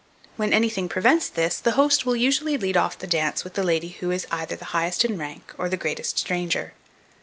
When anything prevents this, the host will usually lead off the dance with the lady who is either the highest in rank, or the greatest stranger.